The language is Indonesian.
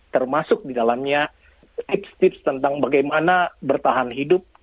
termasuk di dalamnya tips tips tentang bagaimana bertahan hidup